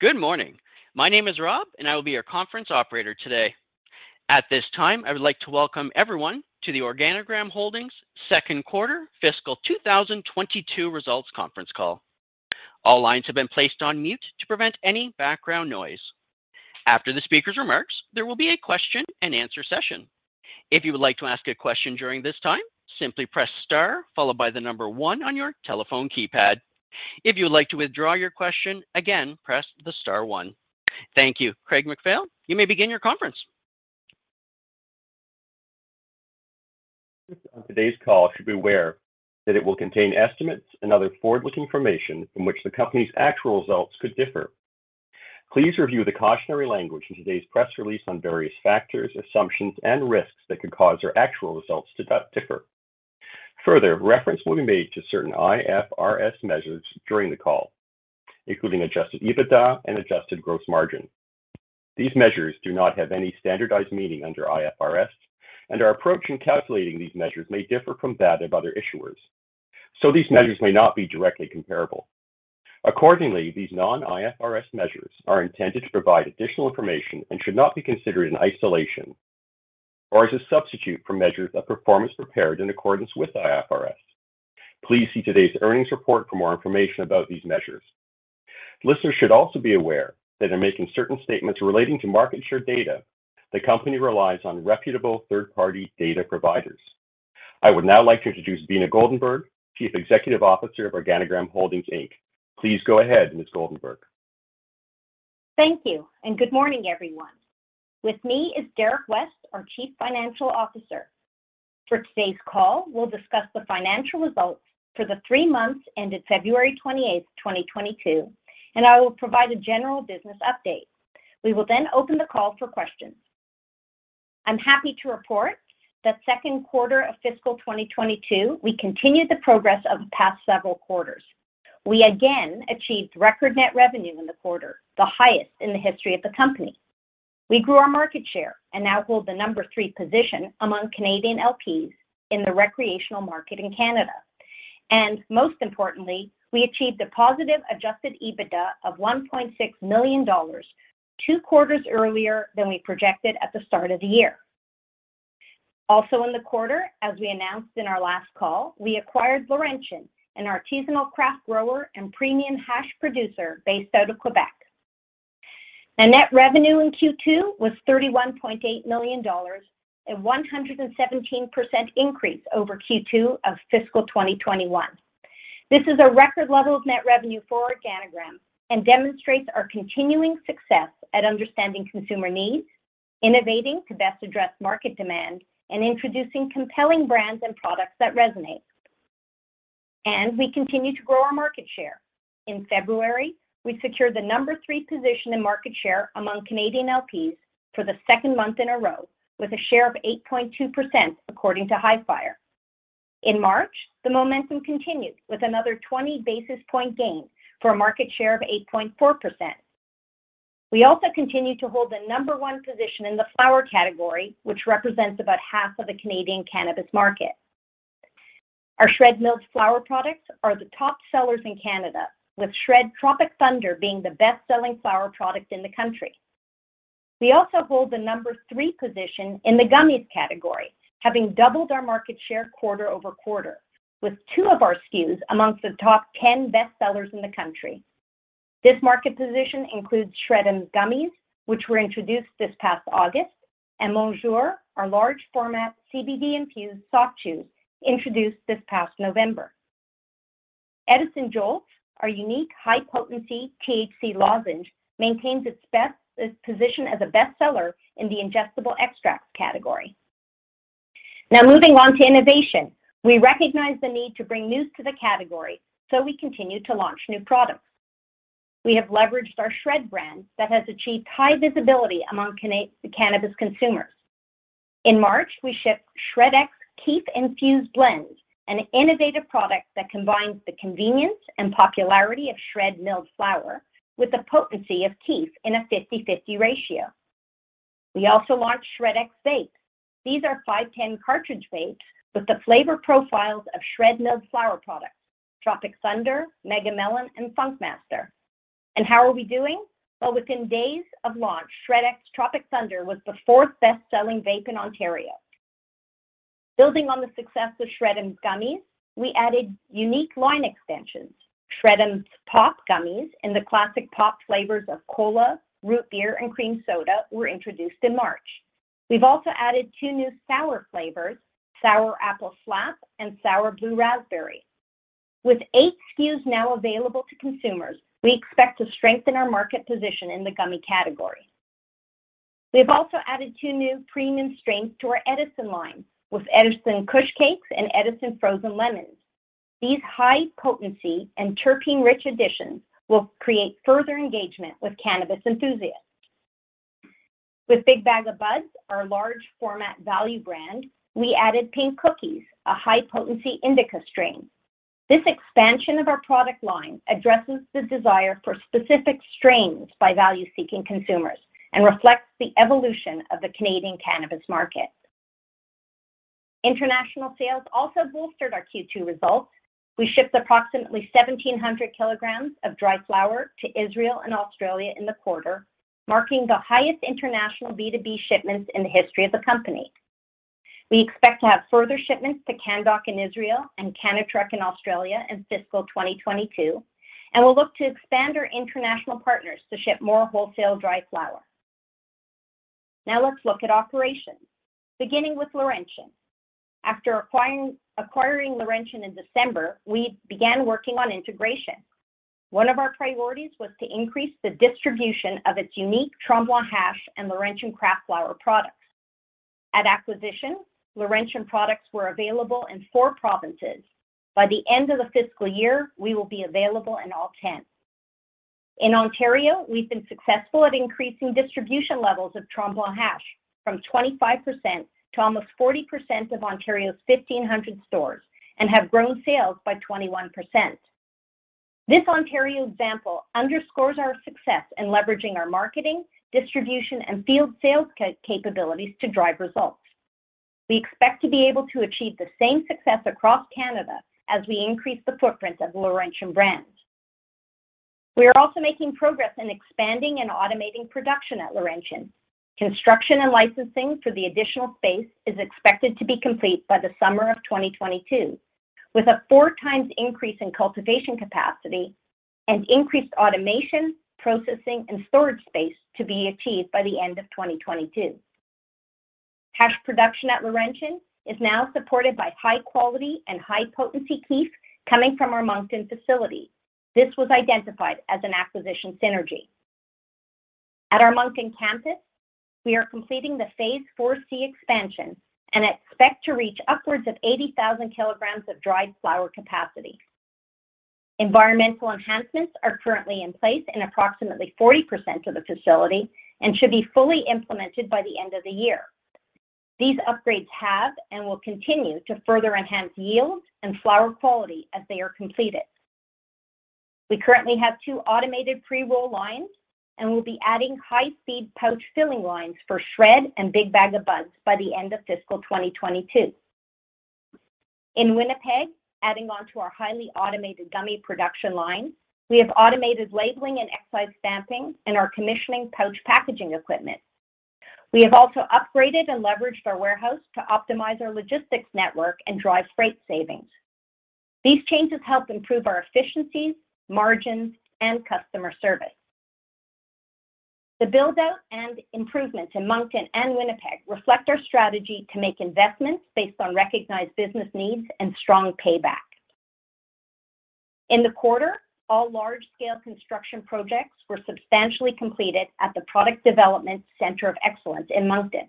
Good morning. My name is Rob, and I will be your conference operator today. At this time, I would like to welcome everyone to the Organigram Holdings Inc. second quarter fiscal 2022 results conference call. All lines have been placed on mute to prevent any background noise. After the speaker's remarks, there will be a question-and-answer session. If you would like to ask a question during this time, simply press star followed by the number 1 on your telephone keypad. If you would like to withdraw your question, again, press the star 1. Thank you. Craig MacPhail, you may begin your conference. on today's call should be aware that it will contain estimates and other forward-looking information from which the company's actual results could differ. Please review the cautionary language in today's press release on various factors, assumptions, and risks that could cause our actual results to differ. Further, reference will be made to certain IFRS measures during the call, including adjusted EBITDA and adjusted gross margin. These measures do not have any standardized meaning under IFRS, and our approach in calculating these measures may differ from that of other issuers, so these measures may not be directly comparable. Accordingly, these non-IFRS measures are intended to provide additional information and should not be considered in isolation or as a substitute for measures of performance prepared in accordance with IFRS. Please see today's earnings report for more information about these measures. Listeners should also be aware that in making certain statements relating to market share data, the company relies on reputable third-party data providers. I would now like to introduce Beena Goldenberg, Chief Executive Officer of Organigram Holdings Inc. Please go ahead, Ms. Goldenberg. Thank you, and good morning, everyone. With me is Derek West, our Chief Financial Officer. For today's call, we'll discuss the financial results for the three months ended February 28, 2022, and I will provide a general business update. We will then open the call for questions. I'm happy to report that second quarter of fiscal 2022, we continued the progress of the past several quarters. We again achieved record net revenue in the quarter, the highest in the history of the company. We grew our market share and now hold the number three position among Canadian LPs in the recreational market in Canada. Most importantly, we achieved a positive adjusted EBITDA of 1.6 million dollars, 2 quarters earlier than we projected at the start of the year. In the quarter, as we announced in our last call, we acquired Laurentian, an artisanal craft grower and premium hash producer based out of Quebec. The net revenue in Q2 was 31.8 million dollars, a 117% increase over Q2 of fiscal 2021. This is a record level of net revenue for Organigram and demonstrates our continuing success at understanding consumer needs, innovating to best address market demand, and introducing compelling brands and products that resonate. We continue to grow our market share. In February, we secured the number three position in market share among Canadian LPs for the second month in a row with a share of 8.2%, according to Hifyre. In March, the momentum continued with another twenty basis points gain for a market share of 8.4%. We also continue to hold the number one position in the flower category, which represents about half of the Canadian cannabis market. Our SHRED milled flower products are the top sellers in Canada, with SHRED Tropic Thunder being the best-selling flower product in the country. We also hold the number three position in the gummies category, having doubled our market share quarter-over-quarter, with two of our SKUs among the top 10 best sellers in the country. This market position includes SHRED'ems Gummies, which were introduced this past August, and Monjour, our large format CBD-infused soft chews, introduced this past November. Edison Jolts, our unique high-potency THC lozenge, maintains its best position as a bestseller in the ingestible extracts category. Now moving on to innovation. We recognize the need to bring newness to the category, so we continue to launch new products. We have leveraged our SHRED brand that has achieved high visibility among cannabis consumers. In March, we shipped SHRED X Kief-Infused Blends, an innovative product that combines the convenience and popularity of SHRED milled flower with the potency of kief in a 50/50 ratio. We also launched SHRED X vapes. These are 510 cartridge vapes with the flavor profiles of SHRED milled flower products, Tropic Thunder, Megamelon, and Funk Master. How are we doing? Well, within days of launch, SHRED X Tropic Thunder was the fourth best-selling vape in Ontario. Building on the success of SHRED'ems Gummies, we added unique line extensions. SHRED'ems POP! in the classic pop flavors of cola, root beer, and cream soda were introduced in March. We've also added two new sour flavors, Sour Apple Slap and Sour Blue Razzberry. With eight SKUs now available to consumers, we expect to strengthen our market position in the gummy category. We've also added two new premium strains to our Edison line with Edison Kush Cakes and Edison Frozen Lemons. These high potency and terpene-rich additions will create further engagement with cannabis enthusiasts. With Big Bag o' Buds, our large format value brand, we added Pink Cookies, a high potency indica strain. This expansion of our product line addresses the desire for specific strains by value-seeking consumers and reflects the evolution of the Canadian cannabis market. International sales also bolstered our Q2 results. We shipped approximately 1,700 kilograms of dry flower to Israel and Australia in the quarter, marking the highest international B2B shipments in the history of the company. We expect to have further shipments to Canndoc in Israel and Cannatrek in Australia in fiscal 2022, and we'll look to expand our international partners to ship more wholesale dry flower. Now let's look at operations, beginning with Laurentian. After acquiring Laurentian in December, we began working on integration. One of our priorities was to increase the distribution of its unique Tremblant Hash and Laurentian craft flower products. At acquisition, Laurentian products were available in four provinces. By the end of the fiscal year, we will be available in all ten. In Ontario, we've been successful at increasing distribution levels of Tremblant Hash from 25% to almost 40% of Ontario's 1,500 stores and have grown sales by 21%. This Ontario example underscores our success in leveraging our marketing, distribution, and field sales capabilities to drive results. We expect to be able to achieve the same success across Canada as we increase the footprint of Laurentian brands. We are also making progress in expanding and automating production at Laurentian. Construction and licensing for the additional space is expected to be complete by the summer of 2022, with a 4x increase in cultivation capacity and increased automation, processing, and storage space to be achieved by the end of 2022. Hash production at Laurentian is now supported by high-quality and high-potency kief coming from our Moncton facility. This was identified as an acquisition synergy. At our Moncton campus, we are completing the Phase 4C expansion and expect to reach upwards of 80,000 kilograms of dried flower capacity. Environmental enhancements are currently in place in approximately 40% of the facility and should be fully implemented by the end of the year. These upgrades have and will continue to further enhance yield and flower quality as they are completed. We currently have 2 automated pre-roll lines and will be adding high-speed pouch filling lines for SHRED and Big Bag o' Buds by the end of fiscal 2022. In Winnipeg, adding on to our highly automated gummy production line, we have automated labeling and excise stamping and are commissioning pouch packaging equipment. We have also upgraded and leveraged our warehouse to optimize our logistics network and drive freight savings. These changes help improve our efficiencies, margins, and customer service. The build-out and improvements in Moncton and Winnipeg reflect our strategy to make investments based on recognized business needs and strong payback. In the quarter, all large-scale construction projects were substantially completed at the Product Development Center of Excellence in Moncton.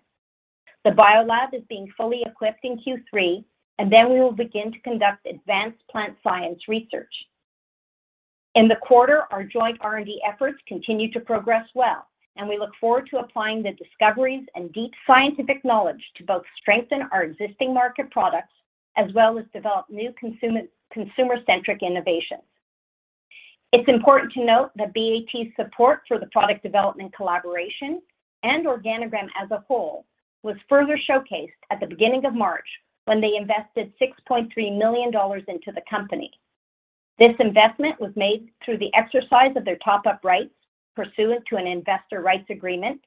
The biolab is being fully equipped in Q3, and then we will begin to conduct advanced plant science research. In the quarter, our joint R&D efforts continue to progress well, and we look forward to applying the discoveries and deep scientific knowledge to both strengthen our existing market products as well as develop new consumer-centric innovations. It's important to note that BAT's support for the product development collaboration and Organigram as a whole was further showcased at the beginning of March when they invested 6.3 million dollars into the company. This investment was made through the exercise of their top-up rights pursuant to an investor rights agreement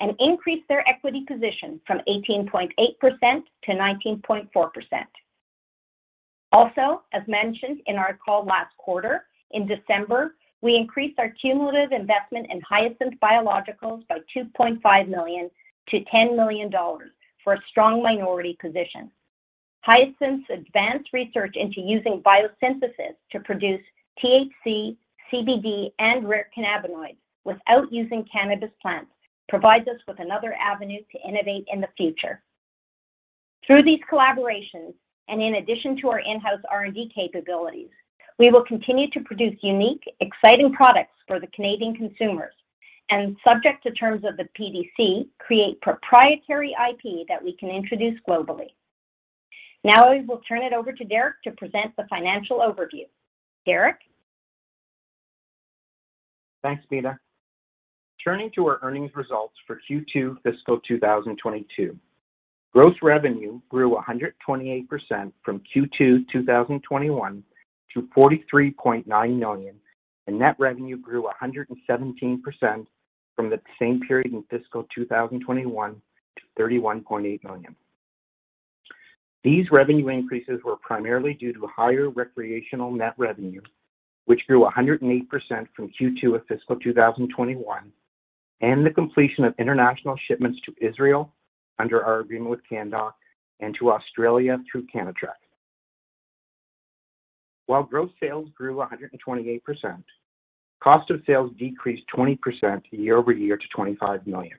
and increased their equity position from 18.8% to 19.4%. Also, as mentioned in our call last quarter, in December, we increased our cumulative investment in Hyasynth Biologicals by 2.5 million to 10 million dollars for a strong minority position. Hyasynth Biologicals' advanced research into using biosynthesis to produce THC, CBD, and rare cannabinoids without using cannabis plants provides us with another avenue to innovate in the future. Through these collaborations and in addition to our in-house R&D capabilities, we will continue to produce unique, exciting products for the Canadian consumers and, subject to terms of the PDC, create proprietary IP that we can introduce globally. Now I will turn it over to Derek to present the financial overview. Derek? Thanks, Beena. Turning to our earnings results for Q2 fiscal 2022, gross revenue grew 128% from Q2 2021 to 43.9 million, and net revenue grew 117% from the same period in fiscal 2021 to 31.8 million. These revenue increases were primarily due to higher recreational net revenue, which grew 108% from Q2 of fiscal 2021, and the completion of international shipments to Israel under our agreement with Canndoc and to Australia through Cannatrek. While gross sales grew 128%, cost of sales decreased 20% year-over-year to 25 million.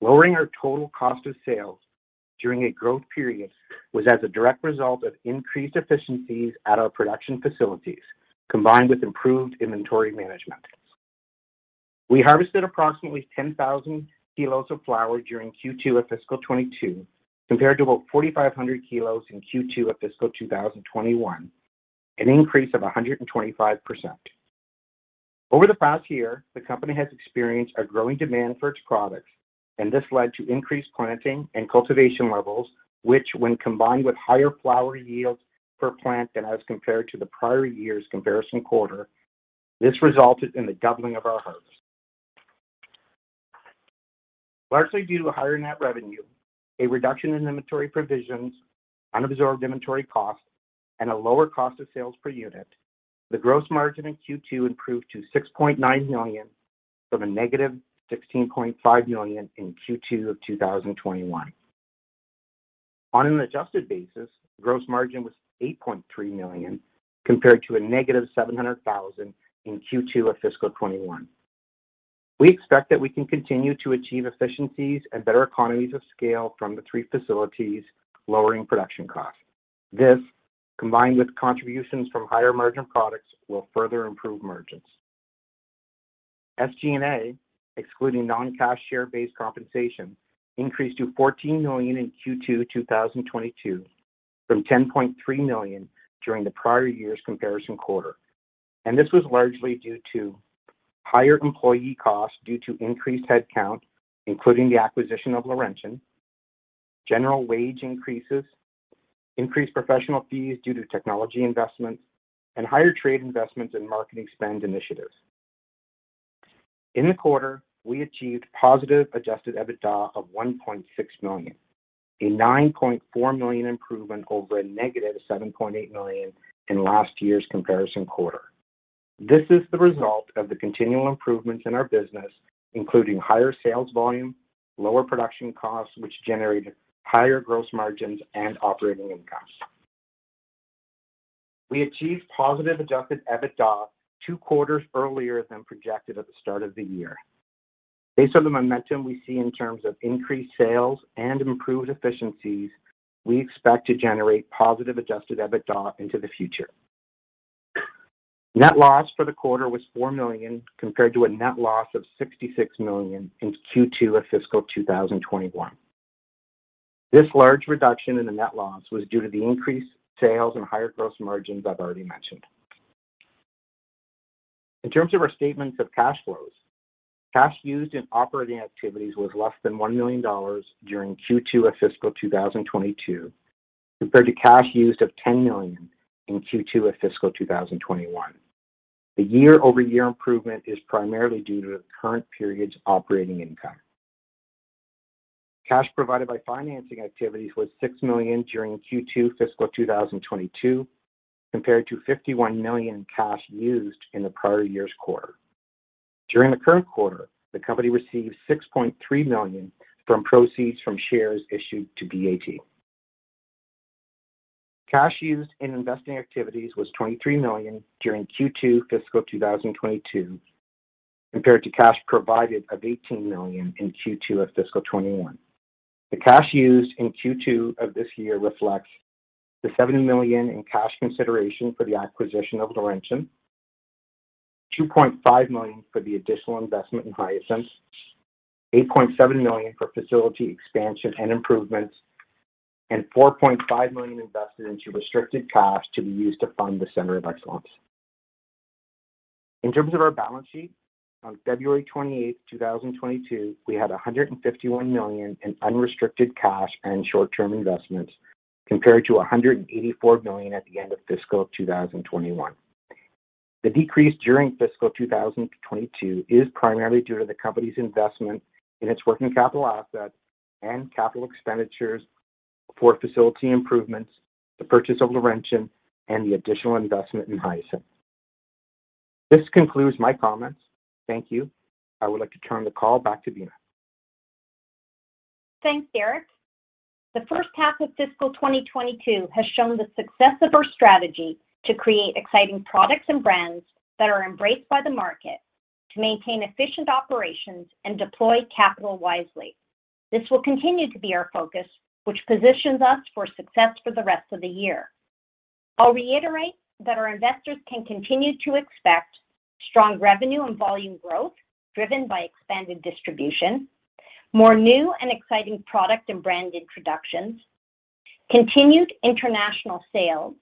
Lowering our total cost of sales during a growth period was as a direct result of increased efficiencies at our production facilities, combined with improved inventory management. We harvested approximately 10,000 kilos of flower during Q2 of fiscal 2022, compared to about 4,500 kilos in Q2 of fiscal 2021, an increase of 125%. Over the past year, the company has experienced a growing demand for its products, and this led to increased planting and cultivation levels, which when combined with higher flower yields per plant than as compared to the prior year's comparison quarter, this resulted in the doubling of our harvest. Largely due to a higher net revenue, a reduction in inventory provisions, unabsorbed inventory costs, and a lower cost of sales per unit, the gross margin in Q2 improved to 6.9 million from -16.5 million in Q2 of 2021. On an adjusted basis, gross margin was 8.3 million compared to a negative 700 thousand in Q2 of fiscal 2021. We expect that we can continue to achieve efficiencies and better economies of scale from the three facilities lowering production costs. This, combined with contributions from higher-margin products, will further improve margins. SG&A, excluding non-cash share-based compensation, increased to 14 million in Q2 2022 from 10.3 million during the prior year's comparison quarter. This was largely due to higher employee costs due to increased headcount, including the acquisition of Laurentian, general wage increases, increased professional fees due to technology investments, and higher trade investments in marketing spend initiatives. In the quarter, we achieved positive adjusted EBITDA of 1.6 million, a 9.4 million improvement over a negative 7.8 million in last year's comparison quarter. This is the result of the continual improvements in our business, including higher sales volume, lower production costs, which generated higher gross margins and operating income. We achieved positive adjusted EBITDA two quarters earlier than projected at the start of the year. Based on the momentum we see in terms of increased sales and improved efficiencies, we expect to generate positive adjusted EBITDA into the future. Net loss for the quarter was 4 million compared to a net loss of 66 million in Q2 of fiscal 2021. This large reduction in the net loss was due to the increased sales and higher gross margins I've already mentioned. In terms of our statements of cash flows, cash used in operating activities was less than 1 million dollars during Q2 of fiscal 2022, compared to cash used of 10 million in Q2 of fiscal 2021. The year-over-year improvement is primarily due to the current period's operating income. Cash provided by financing activities was 6 million during Q2 fiscal 2022, compared to 51 million cash used in the prior year's quarter. During the current quarter, the company received 6.3 million from proceeds from shares issued to BAT. Cash used in investing activities was 23 million during Q2 fiscal 2022, compared to cash provided of 18 million in Q2 of fiscal 2021. The cash used in Q2 of this year reflects 7 million in cash consideration for the acquisition of Laurentian, 2.5 million for the additional investment in Hyasynth, 8.7 million for facility expansion and improvements, and 4.5 million invested into restricted cash to be used to fund the Center of Excellence. In terms of our balance sheet, on February 28, 2022, we had 151 million in unrestricted cash and short-term investments, compared to 184 million at the end of fiscal 2021. The decrease during fiscal 2022 is primarily due to the company's investment in its working capital assets and capital expenditures for facility improvements, the purchase of Laurentian, and the additional investment in Hyasynth. This concludes my comments. Thank you. I would like to turn the call back to Beena. Thanks, Derek. The first half of fiscal 2022 has shown the success of our strategy to create exciting products and brands that are embraced by the market to maintain efficient operations and deploy capital wisely. This will continue to be our focus, which positions us for success for the rest of the year. I'll reiterate that our investors can continue to expect strong revenue and volume growth driven by expanded distribution, more new and exciting product and brand introductions, continued international sales,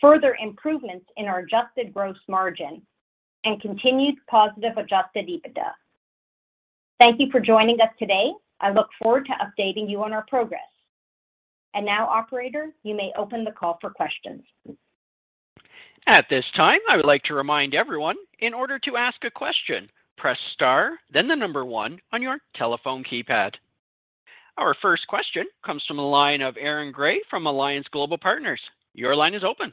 further improvements in our adjusted gross margin, and continued positive adjusted EBITDA. Thank you for joining us today. I look forward to updating you on our progress. Now, operator, you may open the call for questions. At this time, I would like to remind everyone in order to ask a question, press star, then 1 on your telephone keypad. Our first question comes from the line of Aaron Grey from Alliance Global Partners. Your line is open.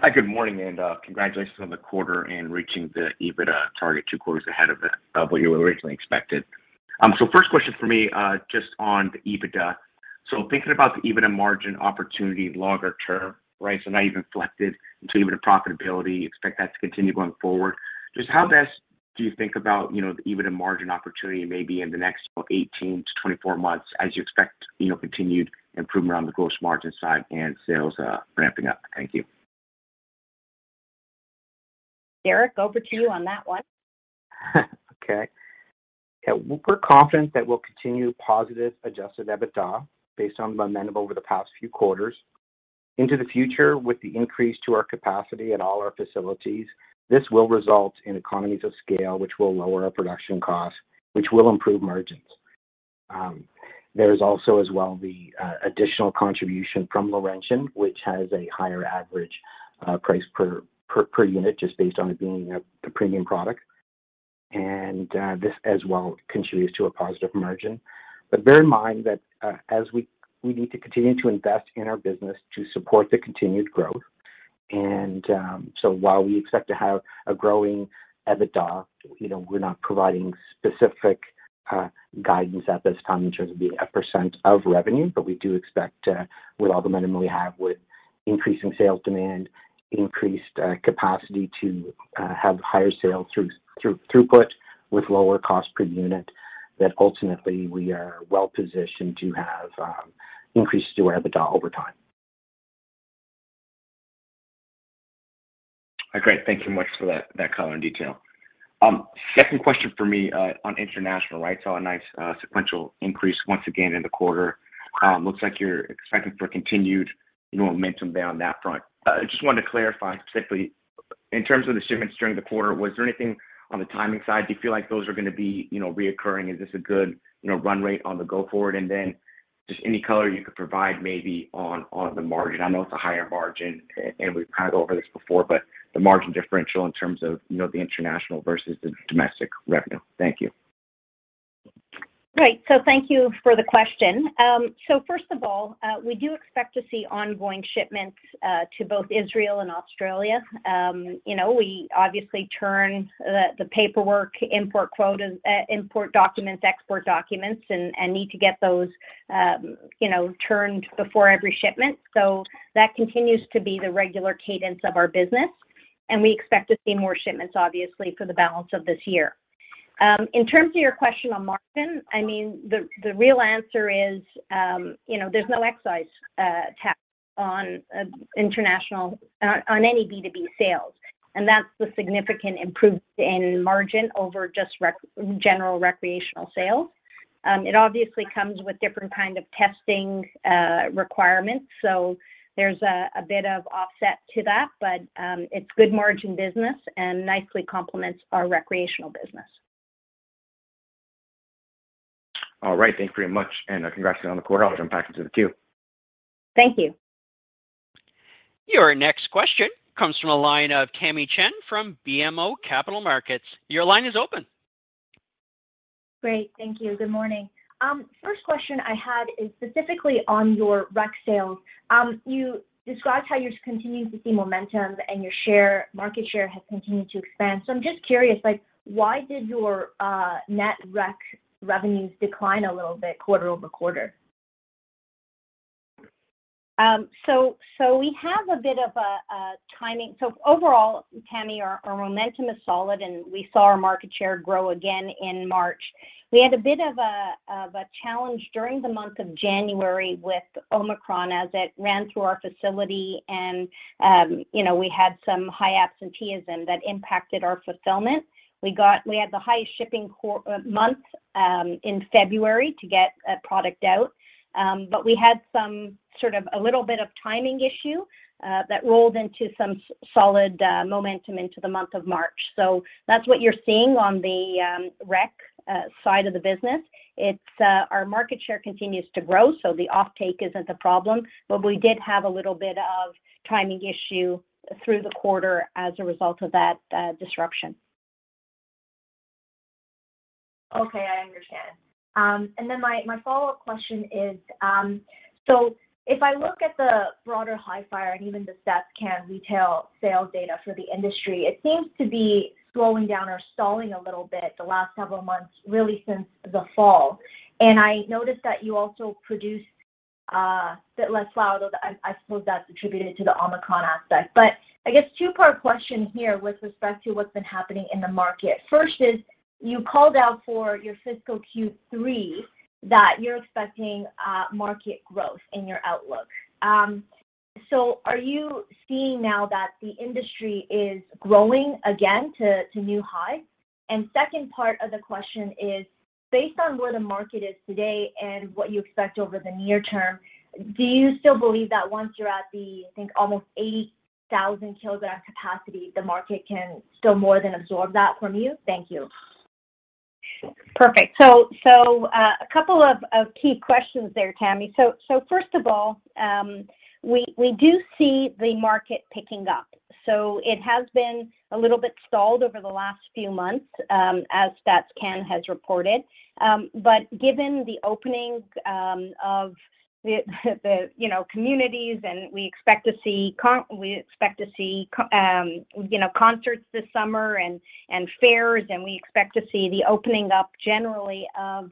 Hi. Good morning, and congratulations on the quarter and reaching the EBITDA target two quarters ahead of what you originally expected. First question for me, just on the EBITDA. Thinking about the EBITDA margin opportunity longer term, right? Now you've reflected into EBITDA profitability, expect that to continue going forward. Just how best do you think about, you know, the EBITDA margin opportunity maybe in the next 18-24 months as you expect, you know, continued improvement on the gross margin side and sales ramping up? Thank you. Derrick, over to you on that one. Okay. Yeah, we're confident that we'll continue positive adjusted EBITDA based on momentum over the past few quarters. Into the future with the increase to our capacity at all our facilities, this will result in economies of scale, which will lower our production cost, which will improve margins. There's also as well the additional contribution from Laurentian, which has a higher average price per unit just based on it being a premium product. This as well contributes to a positive margin. Bear in mind that as we need to continue to invest in our business to support the continued growth. While we expect to have a growing EBITDA, you know, we're not providing specific guidance at this time in terms of the percent of revenue. We do expect, with all the momentum we have with increasing sales demand, increased capacity to have higher sales throughput with lower cost per unit, that ultimately we are well-positioned to have increases to our EBITDA over time. Great. Thank you so much for that color and detail. Second question for me on international. I saw a nice sequential increase once again in the quarter. Looks like you're expecting for continued, you know, momentum there on that front. I just wanted to clarify specifically in terms of the shipments during the quarter, was there anything on the timing side? Do you feel like those are gonna be, you know, recurring? Is this a good, you know, run rate going forward? Then just any color you could provide maybe on the margin. I know it's a higher margin, and we've kind of gone over this before, but the margin differential in terms of, you know, the international versus the domestic revenue. Thank you. Right. Thank you for the question. First of all, we do expect to see ongoing shipments to both Israel and Australia. You know, we obviously turn the paperwork, import quotas, import documents, export documents and need to get those turned before every shipment. That continues to be the regular cadence of our business, and we expect to see more shipments obviously for the balance of this year. In terms of your question on margin, I mean, the real answer is, you know, there's no excise tax on international B2B sales, and that's the significant improvement in margin over just general recreational sales. It obviously comes with different kind of testing requirements, there's a bit of offset to that. It's good margin business and nicely complements our recreational business. All right. Thank you very much, and congratulations on the quarter. I'll turn it back to the queue. Thank you. Your next question comes from the line of Tamy Chen from BMO Capital Markets. Your line is open. Great. Thank you. Good morning. First question I had is specifically on your rec sales. You described how you're continuing to see momentum and your market share has continued to expand. I'm just curious, like why did your net rec revenues decline a little bit quarter-over-quarter? We have a bit of a timing. Overall, Tamy, our momentum is solid, and we saw our market share grow again in March. We had a bit of a challenge during the month of January with Omicron as it ran through our facility and we had some high absenteeism that impacted our fulfillment. We had the highest shipping month in February to get product out. But we had some sort of a little bit of timing issue that rolled into some solid momentum into the month of March. That's what you're seeing on the rec side of the business. Our market share continues to grow, so the offtake isn't a problem. We did have a little bit of timing issue through the quarter as a result of that, disruption. Okay. I understand. My follow-up question is, so if I look at the broader Hifyre and even the StatsCan retail sales data for the industry, it seems to be slowing down or stalling a little bit the last several months, really since the fall. I noticed that you also produced a bit less flower, though I suppose that's attributed to the Omicron aspect. I guess two-part question here with respect to what's been happening in the market. First is, you called out for your fiscal Q3 that you're expecting market growth in your outlook. So are you seeing now that the industry is growing again to new highs? Second part of the question is, based on where the market is today and what you expect over the near term, do you still believe that once you're at the, I think, almost 80,000-kilogram capacity, the market can still more than absorb that from you? Thank you. Perfect. A couple of key questions there, Tammy. First of all, we do see the market picking up. It has been a little bit stalled over the last few months, as Stats Can has reported. Given the opening of the you know, communities and we expect to see concerts this summer and fairs, and we expect to see the opening up generally of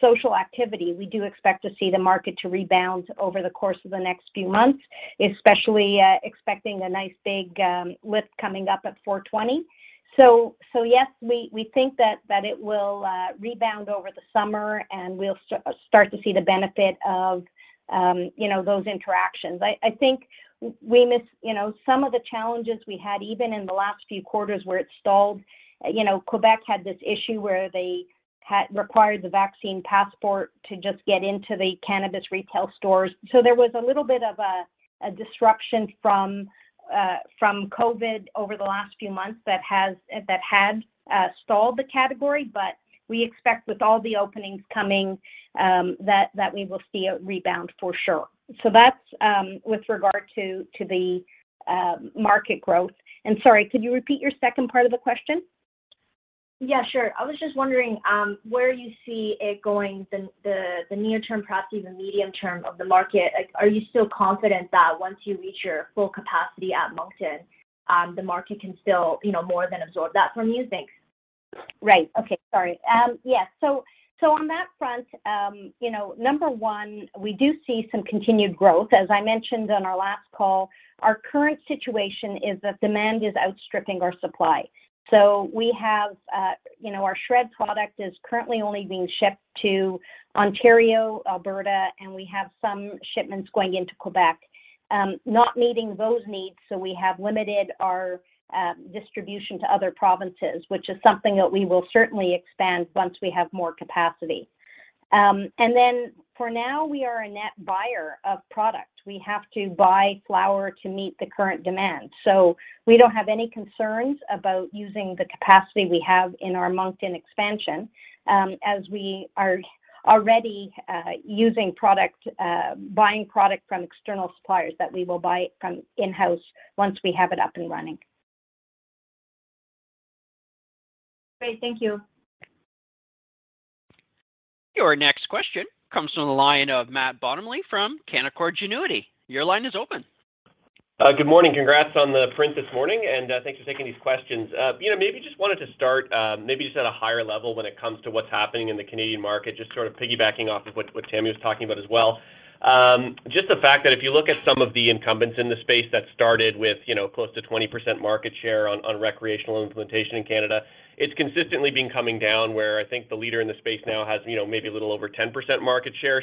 social activity. We do expect to see the market to rebound over the course of the next few months, especially expecting a nice big lift coming up at 4/20. Yes, we think that it will rebound over the summer and we'll start to see the benefit of you know, those interactions. I think we missed, you know, some of the challenges we had even in the last few quarters where it stalled. You know, Quebec had this issue where they had required the vaccine passport to just get into the cannabis retail stores. There was a little bit of a disruption from COVID over the last few months that had stalled the category. We expect with all the openings coming that we will see a rebound for sure. That's with regard to the market growth. Sorry, could you repeat your second part of the question? Yeah, sure. I was just wondering where you see it going, the near term, perhaps even medium term of the market. Like, are you still confident that once you reach your full capacity at Moncton, the market can still, you know, more than absorb that, do you think? Right. Okay, sorry. Yeah. On that front, you know, number one, we do see some continued growth. As I mentioned on our last call, our current situation is that demand is outstripping our supply. We have, you know, our SHRED product is currently only being shipped to Ontario, Alberta, and we have some shipments going into Quebec, not meeting those needs, so we have limited our distribution to other provinces, which is something that we will certainly expand once we have more capacity. Then for now, we are a net buyer of product. We have to buy flower to meet the current demand. We don't have any concerns about using the capacity we have in our Moncton expansion, as we are already buying product from external suppliers that we will buy from in-house once we have it up and running. Great. Thank you. Your next question comes from the line of Matt Bottomley from Canaccord Genuity. Your line is open. Good morning. Congrats on the print this morning, and thanks for taking these questions. You know, maybe just at a higher level when it comes to what's happening in the Canadian market, just sort of piggybacking off of what Tammy was talking about as well. Just the fact that if you look at some of the incumbents in the space that started with, you know, close to 20% market share on recreational implementation in Canada, it's consistently been coming down where I think the leader in the space now has, you know, maybe a little over 10% market share.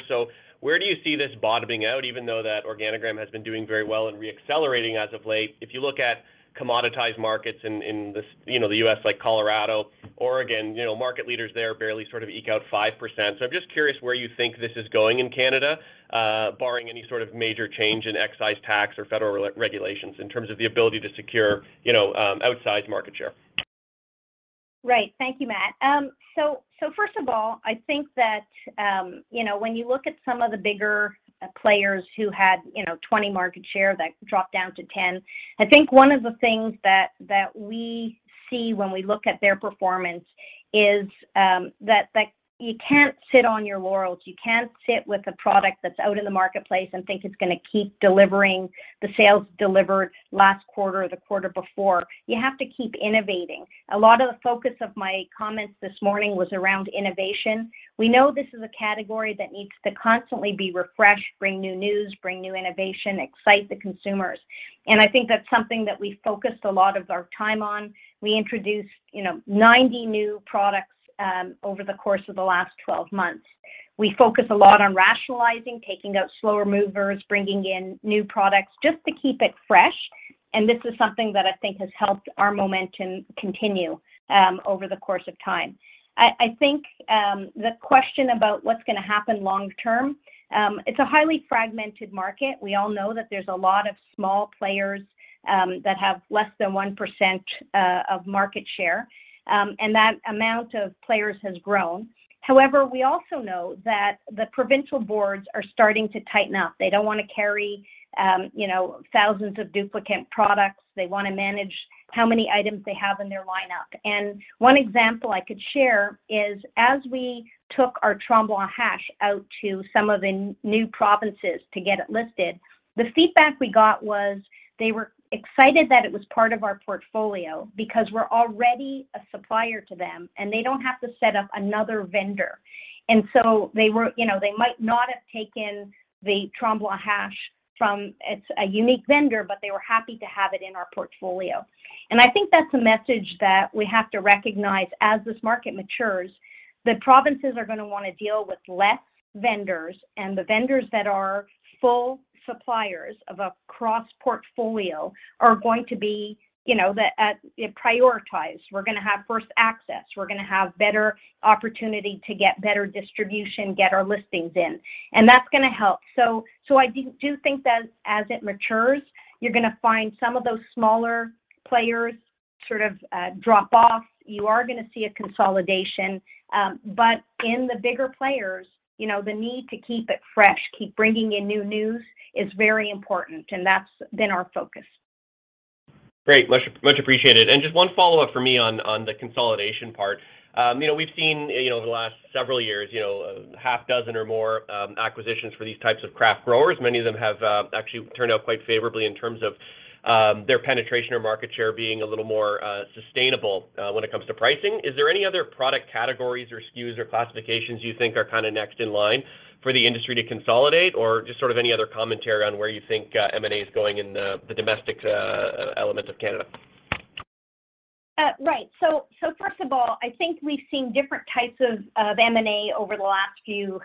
Where do you see this bottoming out, even though that Organigram has been doing very well and re-accelerating as of late? If you look at commoditized markets in the U.S. like Colorado, Oregon, you know, market leaders there barely sort of eke out 5%. I'm just curious where you think this is going in Canada, barring any sort of major change in excise tax or federal re-regulations in terms of the ability to secure, you know, outsized market share. Thank you, Matt. First of all, I think that you know, when you look at some of the bigger players who had 20% market share that dropped down to 10%, I think one of the things that we see when we look at their performance is that you can't sit on your laurels. You can't sit with a product that's out in the marketplace and think it's gonna keep delivering the sales delivered last quarter or the quarter before. You have to keep innovating. A lot of the focus of my comments this morning was around innovation. We know this is a category that needs to constantly be refreshed, bring new news, bring new innovation, excite the consumers. I think that's something that we focused a lot of our time on. We introduced, you know, 90 new products over the course of the last 12 months. We focus a lot on rationalizing, taking out slower movers, bringing in new products just to keep it fresh, and this is something that I think has helped our momentum continue over the course of time. I think the question about what's gonna happen long term, it's a highly fragmented market. We all know that there's a lot of small players that have less than 1% of market share, and that amount of players has grown. However, we also know that the provincial boards are starting to tighten up. They don't wanna carry, you know, thousands of duplicate products. They wanna manage how many items they have in their lineup. One example I could share is as we took our Tremblant Hash out to some of the new provinces to get it listed, the feedback we got was they were excited that it was part of our portfolio because we're already a supplier to them, and they don't have to set up another vendor. They were. You know, they might not have taken the Tremblant Hash from a unique vendor, but they were happy to have it in our portfolio. I think that's a message that we have to recognize as this market matures, that provinces are gonna wanna deal with less vendors, and the vendors that are full suppliers of a cross-portfolio are going to be, you know, the prioritized. We're gonna have first access. We're gonna have better opportunity to get better distribution, get our listings in, and that's gonna help. I think that as it matures, you're gonna find some of those smaller players sort of drop off. You are gonna see a consolidation, but in the bigger players, you know, the need to keep it fresh, keep bringing in new news is very important, and that's been our focus. Great. Much appreciated. Just one follow-up for me on the consolidation part. You know, we've seen, you know, over the last several years, you know, 6 or more acquisitions for these types of craft growers. Many of them have actually turned out quite favorably in terms of their penetration or market share being a little more sustainable when it comes to pricing. Is there any other product categories or SKUs or classifications you think are kinda next in line for the industry to consolidate, or just sort of any other commentary on where you think M&A is going in the domestic elements of Canada? First of all, I think we've seen different types of M&A over the last few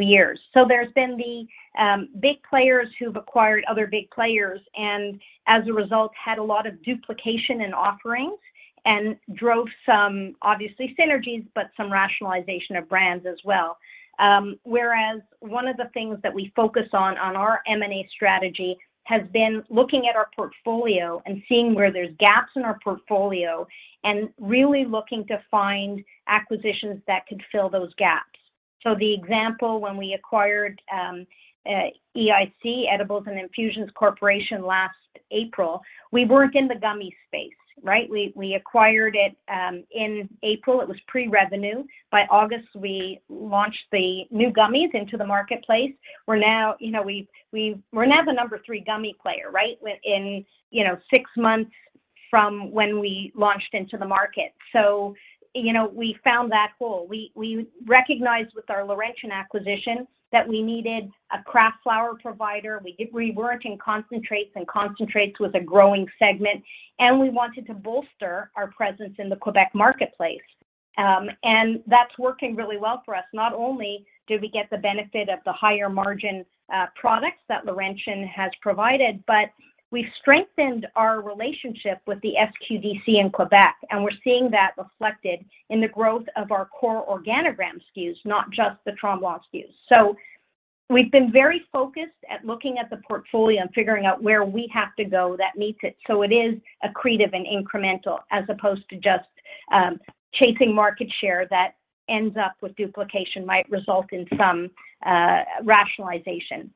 years. There's been the big players who've acquired other big players, and as a result, had a lot of duplication in offerings and drove some obviously synergies, but some rationalization of brands as well. Whereas one of the things that we focus on our M&A strategy has been looking at our portfolio and seeing where there's gaps in our portfolio and really looking to find acquisitions that could fill those gaps. The example when we acquired EIC, Edibles and Infusions Corporation last April, we weren't in the gummy space, right? We acquired it in April. It was pre-revenue. By August, we launched the new gummies into the marketplace. We're now the number three gummy player, right? In six months from when we launched into the market. We found that hole. We recognized with our Laurentian acquisition that we needed a craft flower provider. We weren't in concentrates, and concentrates was a growing segment, and we wanted to bolster our presence in the Quebec marketplace. That's working really well for us. Not only did we get the benefit of the higher margin products that Laurentian has provided, but we've strengthened our relationship with the SQDC in Quebec, and we're seeing that reflected in the growth of our core Organigram SKUs, not just the Tremblant SKUs. We've been very focused at looking at the portfolio and figuring out where we have to go that meets it, so it is accretive and incremental as opposed to just chasing market share that ends up with duplication, might result in some rationalization.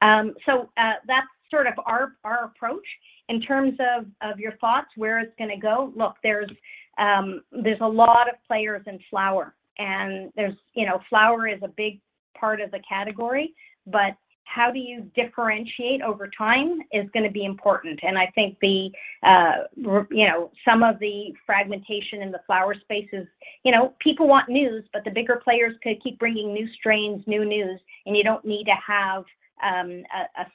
That's sort of our approach. In terms of your thoughts, where it's gonna go, look, there's a lot of players in flower and there's. You know, flower is a big part of the category, but how do you differentiate over time is gonna be important. I think the you know, some of the fragmentation in the flower space is, you know, people want news, but the bigger players could keep bringing new strains, new news, and you don't need to have a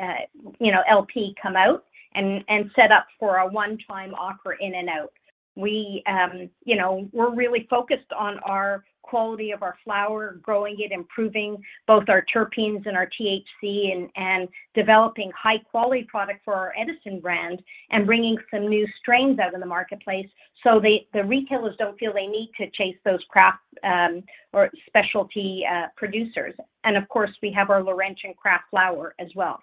separate you know, LP come out and set up for a one-time offer in and out. We you know, we're really focused on our quality of our flower, growing it, improving both our terpenes and our THC and developing high quality product for our Edison brand and bringing some new strains out in the marketplace so they, the retailers don't feel they need to chase those craft or specialty producers. Of course, we have our Laurentian craft flower as well.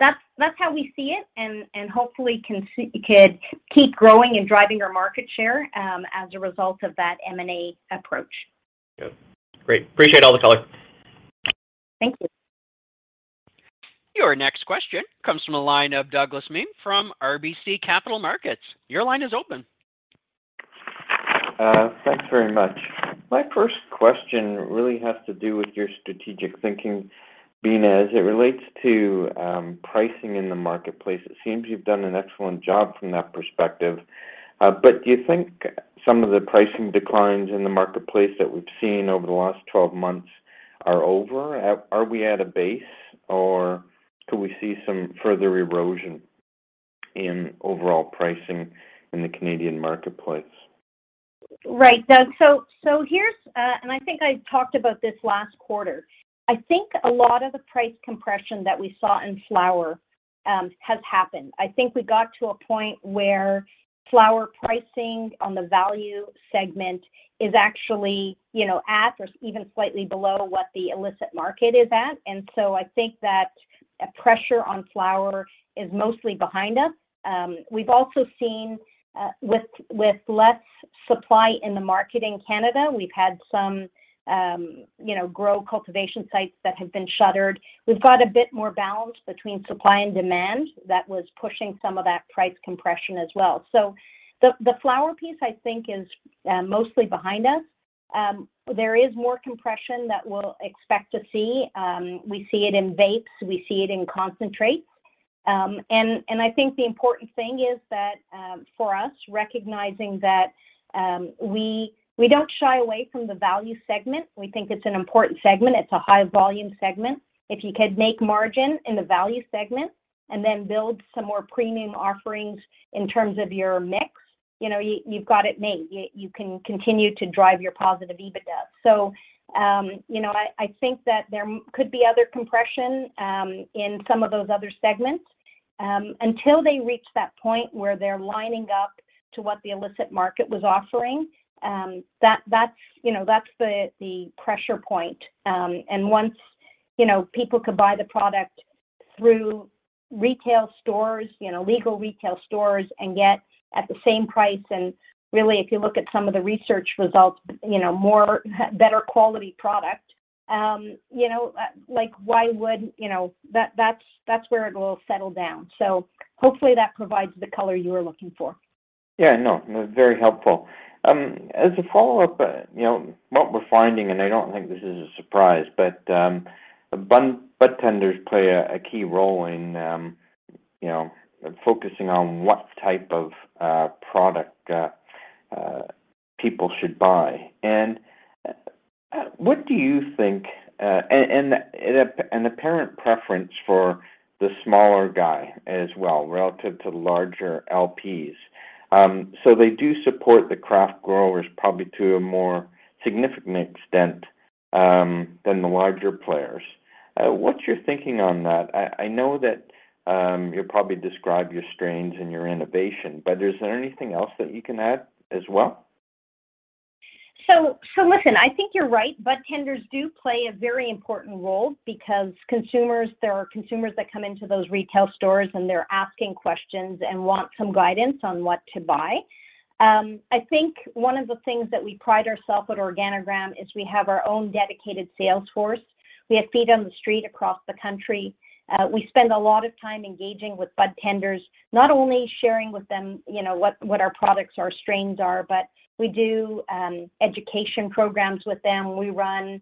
That's how we see it and hopefully could keep growing and driving our market share as a result of that M&A approach. Yeah. Great. Appreciate all the color. Thank you. Your next question comes from the line of Douglas Miehm from RBC Capital Markets. Your line is open. Thanks very much. My first question really has to do with your strategic thinking, being as it relates to, pricing in the marketplace. It seems you've done an excellent job from that perspective. Do you think some of the pricing declines in the marketplace that we've seen over the last 12 months are over? Are we at a base, or could we see some further erosion in overall pricing in the Canadian marketplace? Right, Doug. I think I talked about this last quarter. I think a lot of the price compression that we saw in flower has happened. I think we got to a point where flower pricing on the value segment is actually, you know, at or even slightly below what the illicit market is at. I think that pressure on flower is mostly behind us. We've also seen with less supply in the market in Canada, we've had some, you know, grow cultivation sites that have been shuttered. We've got a bit more balance between supply and demand that was pushing some of that price compression as well. The flower piece I think is mostly behind us. There is more compression that we'll expect to see. We see it in vapes, we see it in concentrates. I think the important thing is that for us, recognizing that, we don't shy away from the value segment. We think it's an important segment. It's a high volume segment. If you could make margin in the value segment and then build some more premium offerings in terms of your mix, you know, you've got it made. You can continue to drive your positive EBITDA. You know, I think that there could be other compression in some of those other segments until they reach that point where they're lining up to what the illicit market was offering. That's, you know, that's the pressure point. Once, you know, people could buy the product through retail stores, you know, legal retail stores and get at the same price, and really, if you look at some of the research results, you know, more, better quality product, you know, like why would you know, that's where it will settle down. Hopefully that provides the color you were looking for. Yeah, no, very helpful. As a follow-up, you know, what we're finding, and I don't think this is a surprise, but budtenders play a key role in, you know, focusing on what type of product people should buy. What do you think, and an apparent preference for the smaller guy as well relative to larger LPs. So they do support the craft growers probably to a more significant extent than the larger players. What's your thinking on that? I know that you'll probably describe your strains and your innovation, but is there anything else that you can add as well? Listen, I think you're right. Budtenders do play a very important role because consumers, there are consumers that come into those retail stores, and they're asking questions and want some guidance on what to buy. I think one of the things that we pride ourselves at Organigram is we have our own dedicated sales force. We have feet on the street across the country. We spend a lot of time engaging with budtenders, not only sharing with them, you know, what our products, our strains are, but we do education programs with them. We run,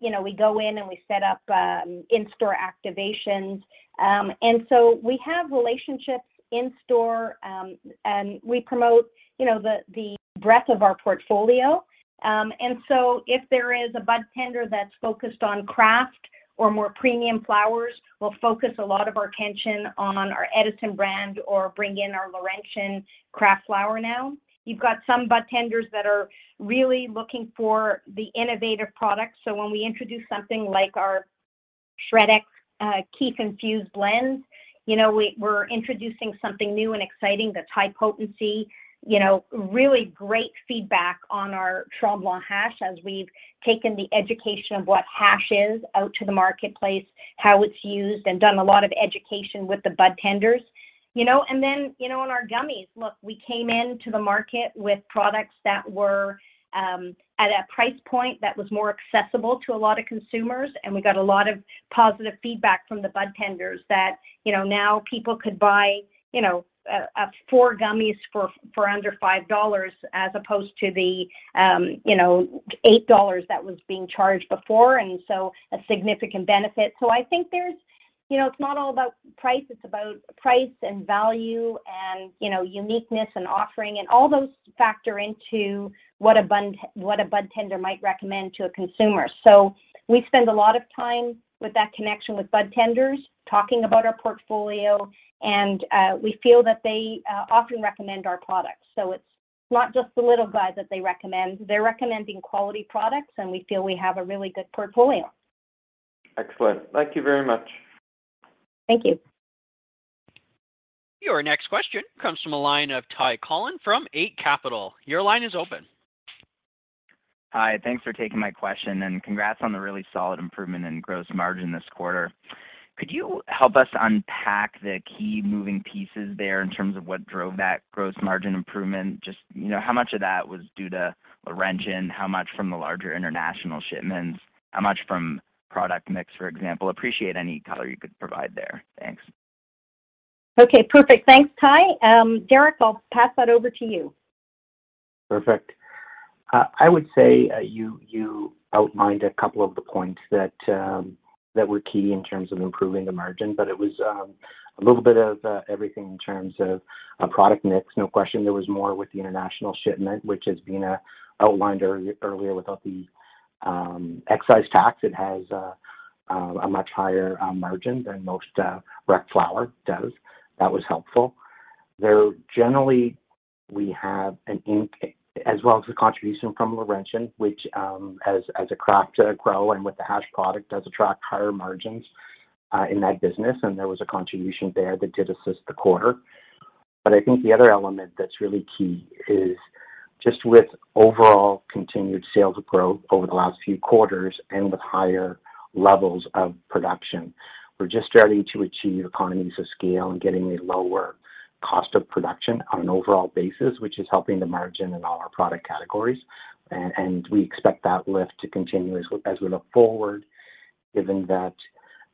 you know, we go in and we set up in-store activations. We have relationships in store, and we promote, you know, the breadth of our portfolio. If there is a budtender that's focused on craft or more premium flowers, we'll focus a lot of our attention on our Edison brand or bring in our Laurentian craft flower now. You've got some budtenders that are really looking for the innovative products. When we introduce something like our SHRED X kief-infused blends, you know, we're introducing something new and exciting that's high potency. You know, really great feedback on our Tremblant hash as we've taken the education of what hash is out to the marketplace, how it's used, and done a lot of education with the budtenders. You know, in our gummies, look, we came into the market with products that were at a price point that was more accessible to a lot of consumers, and we got a lot of positive feedback from the budtenders that, you know, now people could buy, you know, a 4 gummies for under 5 dollars as opposed to the, you know, 8 dollars that was being charged before, and a significant benefit. I think there's, you know, it's not all about price, it's about price and value and, you know, uniqueness and offering, and all those factor into what a budtender might recommend to a consumer. We spend a lot of time with that connection with budtenders, talking about our portfolio, and we feel that they often recommend our products. It's not just the little guy that they recommend. They're recommending quality products, and we feel we have a really good portfolio. Excellent. Thank you very much. Thank you. Your next question comes from the line of Ty Collin from Eight Capital. Your line is open. Hi. Thanks for taking my question, and congrats on the really solid improvement in gross margin this quarter. Could you help us unpack the key moving pieces there in terms of what drove that gross margin improvement? Just, you know, how much of that was due to Laurentian, how much from the larger international shipments, how much from product mix, for example? Appreciate any color you could provide there. Thanks. Okay. Perfect. Thanks, Ty. Derek, I'll pass that over to you. Perfect. I would say you outlined a couple of the points that were key in terms of improving the margin, but it was a little bit of everything in terms of product mix. No question there was more with the international shipment, which has been outlined earlier with the excise tax. It has a much higher margin than most rec flower does. That was helpful. Though generally, we have an increase as well as the contribution from Laurentian, which, as a craft grow and with the hash product does attract higher margins in that business, and there was a contribution there that did assist the quarter. I think the other element that's really key is just with overall continued sales growth over the last few quarters and with higher levels of production. We're just starting to achieve economies of scale and getting a lower cost of production on an overall basis, which is helping the margin in all our product categories. And we expect that lift to continue as we look forward, given that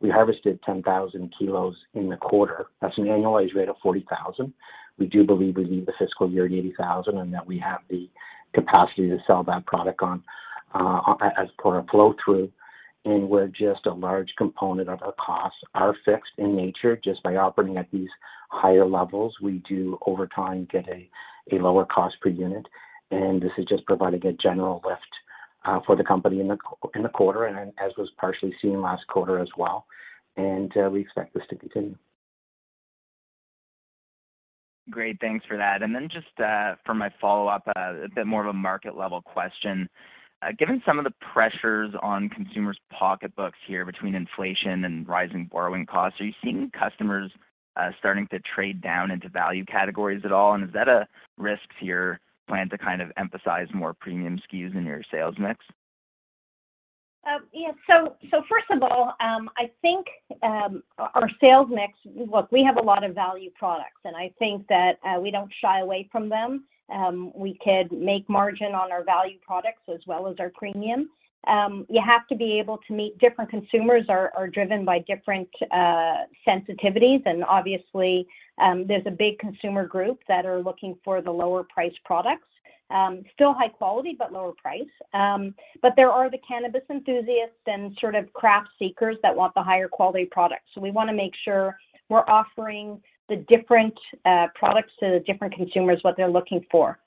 we harvested 10,000 kilos in the quarter. That's an annualized rate of 40,000. We do believe we'll leave the fiscal year at 80,000 and that we have the capacity to sell that product on, as per our flow-through. Where just a large component of our costs are fixed in nature, just by operating at these higher levels, we do over time get a lower cost per unit. This is just providing a general lift for the company in the quarter and then as was partially seen last quarter as well. We expect this to continue. Great. Thanks for that. Just for my follow-up, a bit more of a market-level question. Given some of the pressures on consumers' pocketbooks here between inflation and rising borrowing costs, are you seeing customers starting to trade down into value categories at all, and is that a risk to your plan to kind of emphasize more premium SKUs in your sales mix? Yeah. First of all, I think our sales mix. Look, we have a lot of value products, and I think that we don't shy away from them. We could make margin on our value products as well as our premium. You have to be able to meet different consumers are driven by different sensitivities. Obviously, there's a big consumer group that are looking for the lower-priced products. Still high quality, but lower price. There are the cannabis enthusiasts and sort of craft seekers that want the higher quality products. We wanna make sure we're offering the different products to the different consumers what they're looking for.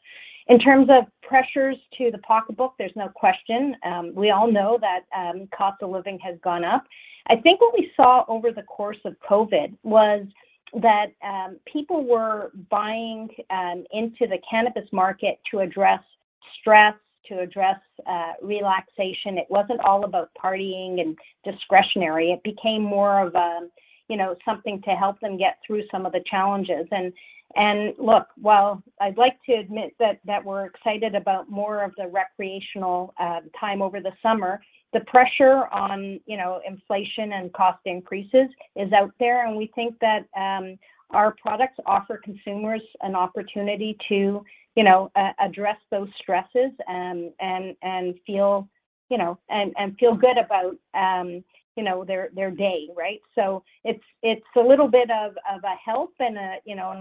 In terms of pressures to the pocketbook, there's no question. We all know that cost of living has gone up. I think what we saw over the course of COVID was that people were buying into the cannabis market to address stress, to address relaxation. It wasn't all about partying and discretionary. It became more of a you know something to help them get through some of the challenges. Look, while I'd like to admit that we're excited about more of the recreational time over the summer, the pressure on you know inflation and cost increases is out there. We think that our products offer consumers an opportunity to you know address those stresses and feel you know and feel good about you know their day, right? It's a little bit of a help and a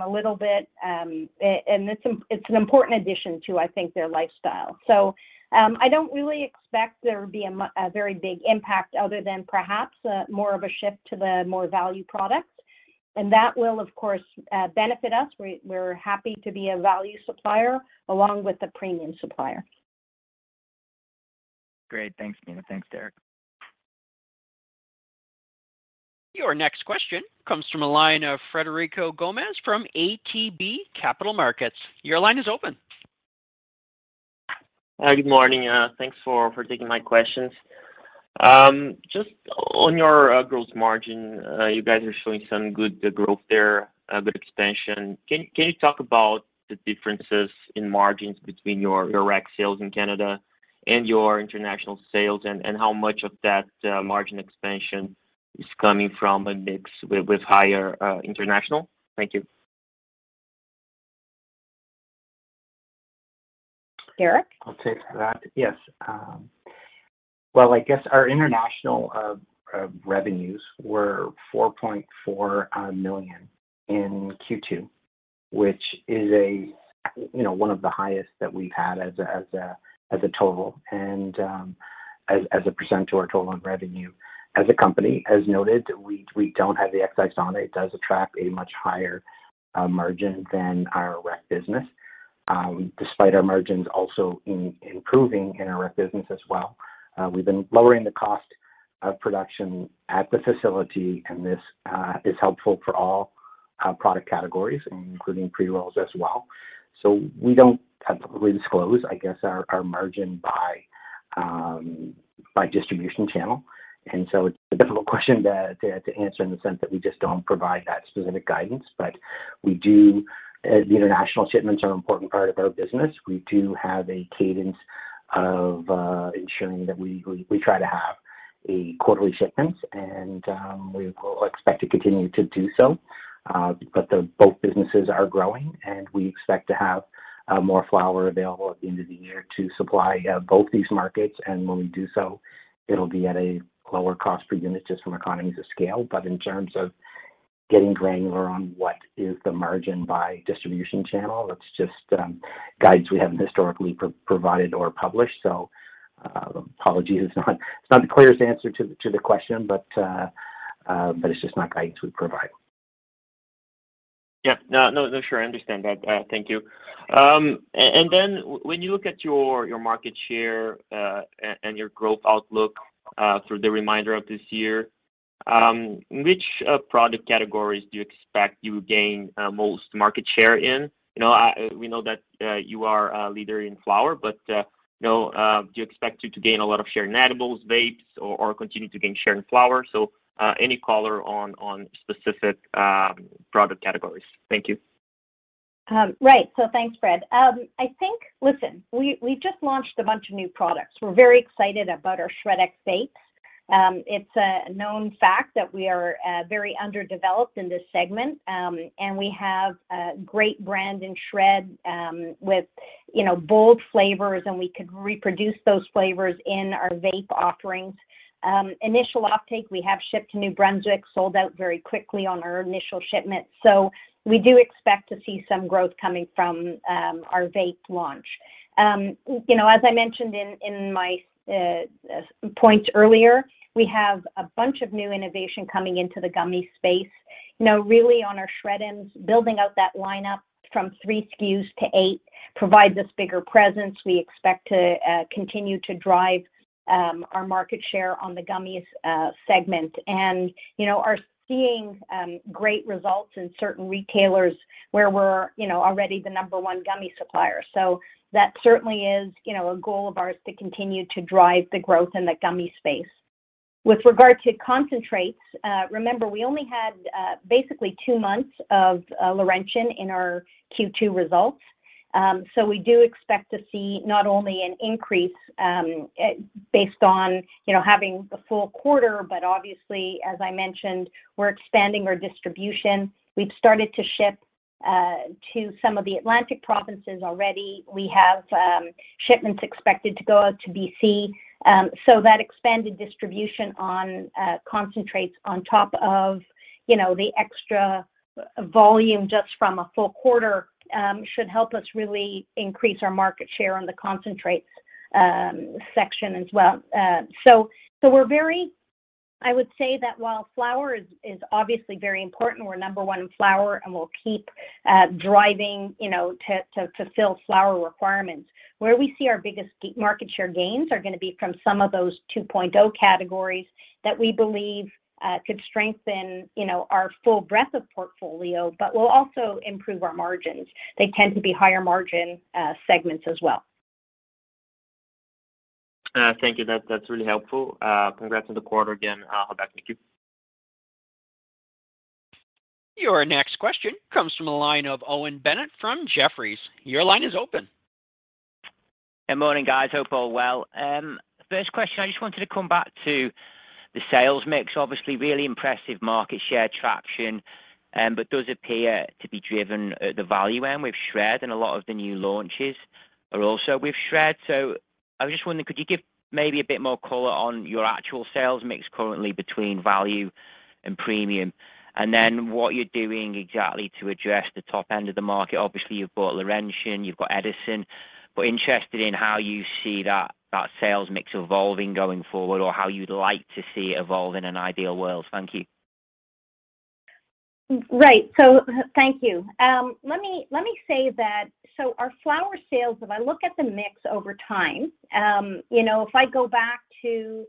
little bit, you know, and it's an important addition to, I think, their lifestyle. I don't really expect there would be a very big impact other than perhaps more of a shift to the more value products. That will, of course, benefit us. We're happy to be a value supplier along with a premium supplier. Great. Thanks, Beena. Thanks, Derek. Your next question comes from a line of Frederico Gomes from ATB Capital Markets. Your line is open. Hi, good morning. Thanks for taking my questions. Just on your gross margin, you guys are showing some good growth there, a good expansion. Can you talk about the differences in margins between your rec sales in Canada and your international sales, and how much of that margin expansion is coming from a mix with higher international? Thank you. Derek? I'll take that. Yes. Well, I guess our international revenues were 4.4 million in Q2, which is, you know, one of the highest that we've had as a total and as a percent to our total revenue. As a company, as noted, we don't have the excise on it. It does attract a much higher margin than our rec business, despite our margins also improving in our rec business as well. We've been lowering the cost of production at the facility, and this is helpful for all product categories, including pre-rolls as well. We don't publicly disclose, I guess, our margin by distribution channel, and so it's a difficult question to answer in the sense that we just don't provide that specific guidance. The international shipments are an important part of our business. We have a cadence of ensuring that we try to have quarterly shipments, and we will expect to continue to do so. The both businesses are growing, and we expect to have more flower available at the end of the year to supply both these markets. When we do so, it'll be at a lower cost per unit just from economies of scale. In terms of getting granular on what is the margin by distribution channel, that's just guidance we haven't historically provided or published. Apologies. It's not the clearest answer to the question, but it's just not guidance we provide. Yeah. No, no, sure. I understand that. Thank you. And then when you look at your market share and your growth outlook through the remainder of this year, which product categories do you expect you will gain most market share in? You know, we know that you are a leader in flower, but you know, do you expect to gain a lot of share in edibles, vapes or continue to gain share in flower? Any color on specific product categories. Thank you. Right. Thanks, Fred. Listen, we just launched a bunch of new products. We're very excited about our SHRED X vapes. It's a known fact that we are very underdeveloped in this segment, and we have a great brand in SHRED, with, you know, bold flavors, and we could reproduce those flavors in our vape offerings. Initial uptake, we have shipped to New Brunswick, sold out very quickly on our initial shipment. We do expect to see some growth coming from our vape launch. You know, as I mentioned in my point earlier, we have a bunch of new innovation coming into the gummies space. You know, really on our SHRED'ems, building out that lineup from three SKUs to eight provides us bigger presence. We expect to continue to drive our market share on the gummies segment. You know, we are seeing great results in certain retailers where we're you know already the number one gummies supplier. That certainly is you know a goal of ours to continue to drive the growth in the gummies space. With regard to concentrates, remember, we only had basically two months of Laurentian in our Q2 results. We do expect to see not only an increase based on you know having the full quarter, but obviously, as I mentioned, we're expanding our distribution. We've started to ship to some of the Atlantic provinces already. We have shipments expected to go out to BC. That expanded distribution on concentrates on top of, you know, the extra volume just from a full quarter should help us really increase our market share on the concentrates section as well. I would say that while flower is obviously very important, we're number one in flower, and we'll keep driving, you know, to fill flower requirements. Where we see our biggest market share gains are gonna be from some of those 2.0 categories that we believe could strengthen, you know, our full breadth of portfolio, but will also improve our margins. They tend to be higher margin segments as well. Thank you. That's really helpful. Congrats on the quarter again. Back to you. Your next question comes from the line of Owen Bennett from Jefferies. Your line is open. Good morning, guys. Hope all well. First question, I just wanted to come back to the sales mix. Obviously, really impressive market share traction, but does appear to be driven at the value end with SHRED and a lot of the new launches are also with SHRED. I was just wondering, could you give maybe a bit more color on your actual sales mix currently between value and premium? And then what you're doing exactly to address the top end of the market. Obviously, you've got Laurentian, you've got Edison, but interested in how you see that sales mix evolving going forward or how you'd like to see it evolve in an ideal world. Thank you. Right. Thank you. Let me say that our flower sales, if I look at the mix over time, you know, if I go back to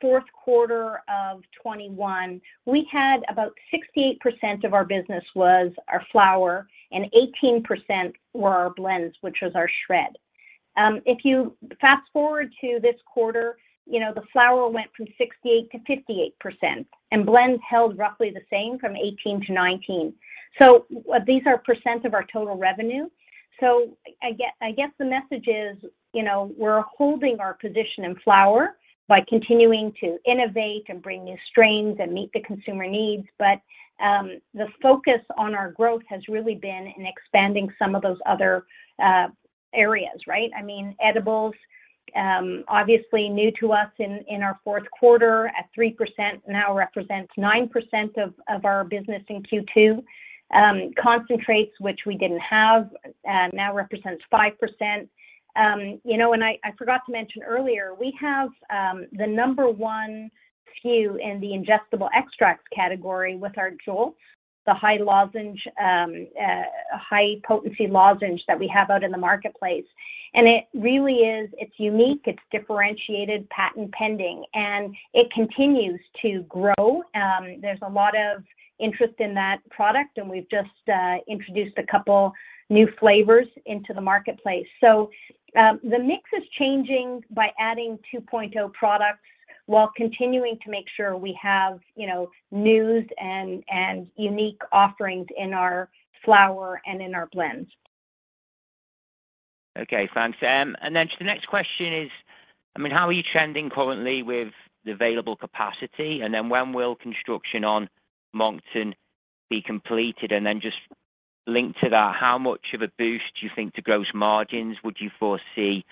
fourth quarter of 2021, we had about 68% of our business was our flower, and 18% were our blends, which was our SHRED. If you fast-forward to this quarter, you know, the flower went from 68% to 58%, and blends held roughly the same from 18% to 19%. These are % of our total revenue. I guess the message is, you know, we're holding our position in flower by continuing to innovate and bring new strains and meet the consumer needs. The focus on our growth has really been in expanding some of those other areas, right? I mean, edibles, obviously new to us in our fourth quarter at 3%, now represents 9% of our business in Q2. Concentrates, which we didn't have, now represents 5%. You know, I forgot to mention earlier, we have the number one SKU in the ingestible extracts category with our Jolts, the high-potency lozenge that we have out in the marketplace. It really is, it's unique, it's differentiated, patent pending, and it continues to grow. There's a lot of interest in that product, and we've just introduced a couple new flavors into the marketplace. The mix is changing by adding 2.0 products while continuing to make sure we have, you know, news and unique offerings in our flower and in our blends. Okay, thanks. The next question is, I mean, how are you trending currently with the available capacity? When will construction on Moncton be completed? Just linked to that, how much of a boost do you think to gross margins would you foresee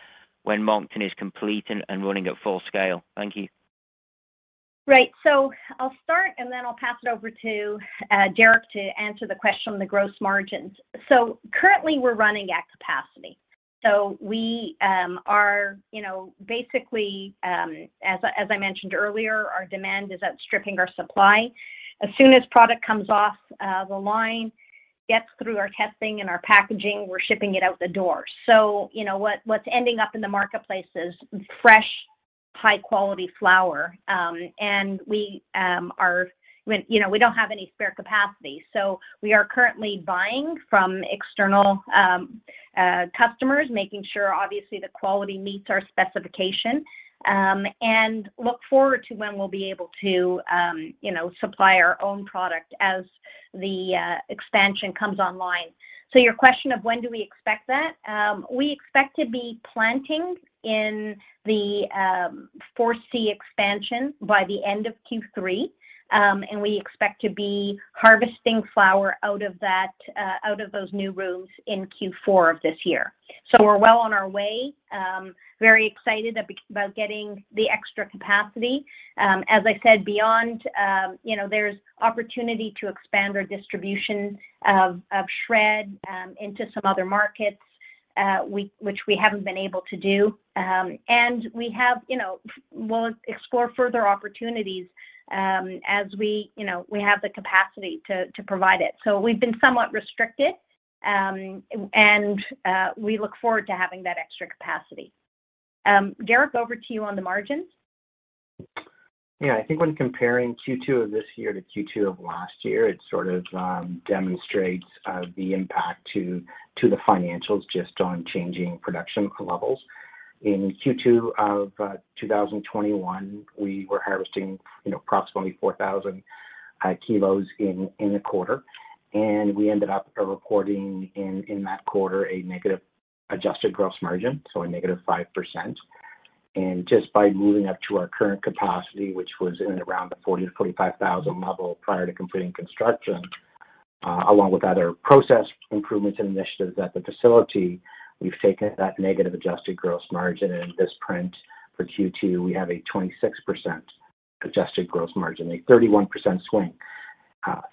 when Moncton is complete and running at full scale? Thank you. Right. I'll start, and then I'll pass it over to Derek to answer the question on the gross margins. Currently, we're running at capacity. We are, you know, basically, as I mentioned earlier, our demand is outstripping our supply. As soon as product comes off the line, gets through our testing and our packaging, we're shipping it out the door. You know, what's ending up in the marketplace is fresh, high-quality flower. We are, I mean, you know, we don't have any spare capacity, so we are currently buying from external customers, making sure obviously the quality meets our specification, and look forward to when we'll be able to, you know, supply our own product as the expansion comes online. Your question of when do we expect that, we expect to be planting in the 4C expansion by the end of Q3, and we expect to be harvesting flower out of those new rooms in Q4 of this year. We're well on our way, very excited about getting the extra capacity. As I said, beyond you know, there's opportunity to expand our distribution of SHRED into some other markets, which we haven't been able to do. And we have you know, we'll explore further opportunities as we you know, we have the capacity to provide it. We've been somewhat restricted, and we look forward to having that extra capacity. Derek, over to you on the margins. Yeah. I think when comparing Q2 of this year to Q2 of last year, it sort of demonstrates the impact to the financials just on changing production levels. In Q2 of 2021, we were harvesting, you know, approximately 4,000 kilos in a quarter, and we ended up reporting in that quarter a negative adjusted gross margin, so a negative 5%. Just by moving up to our current capacity, which was in and around the 40-45,000 level prior to completing construction, along with other process improvements and initiatives at the facility, we've taken that negative adjusted gross margin, and in this print for Q2, we have a 26% adjusted gross margin, a 31% swing.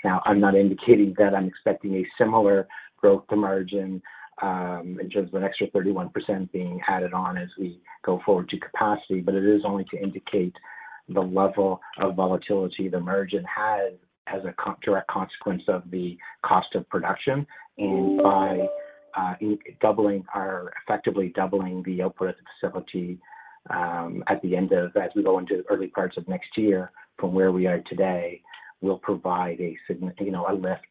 Now I'm not indicating that I'm expecting a similar growth to margin, in terms of an extra 31% being added on as we go forward to capacity, but it is only to indicate the level of volatility the margin has as a direct consequence of the cost of production. By effectively doubling the output of the facility, as we go into the early parts of next year from where we are today, we'll provide a significant, you know, a lift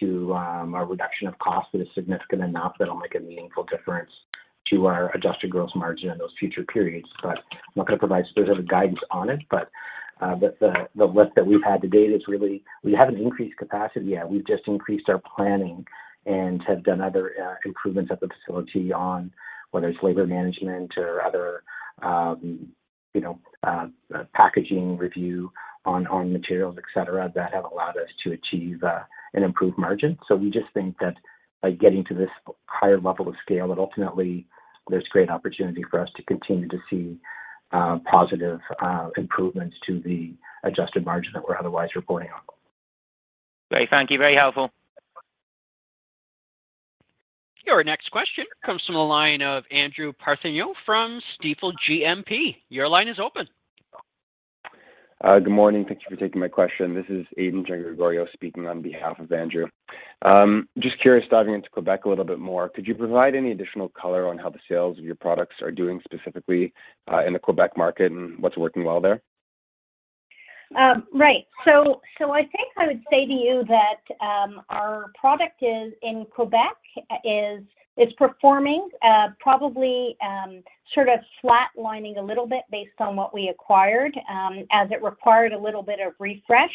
to our reduction of cost that is significant enough that'll make a meaningful difference to our adjusted gross margin in those future periods. But I'm not gonna provide specific guidance on it, but the lift that we've had to date is really we haven't increased capacity yet. We've just increased our planning and have done other, you know, packaging review on materials, et cetera, that have allowed us to achieve an improved margin. We just think that by getting to this higher level of scale, that ultimately there's great opportunity for us to continue to see positive improvements to the adjusted margin that we're otherwise reporting on. Great. Thank you. Very helpful. Your next question comes from the line of Andrew Partheniou from Stifel GMP. Your line is open. Good morning. Thank you for taking my question. This is Aidan Giangregorio speaking on behalf of Andrew. Just curious, diving into Quebec a little bit more, could you provide any additional color on how the sales of your products are doing specifically in the Quebec market and what's working well there? Right. I think I would say to you that our product in Quebec is performing probably sort of flat-lining a little bit based on what we acquired, as it required a little bit of refresh.